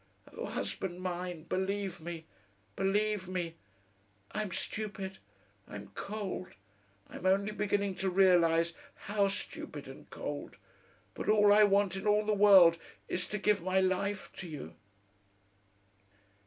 Oh! Husband mine, believe me! believe me! I'm stupid, I'm cold, I'm only beginning to realise how stupid and cold, but all I want in all the world is to give my life to you."...